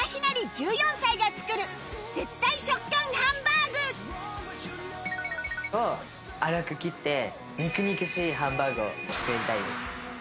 １４歳が作る絶対食感ハンバーグを粗く切って肉肉しいハンバーグを作りたいです。